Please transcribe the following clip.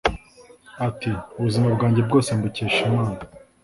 Ati “Ubuzima bwanjye bwose mbukesha Imana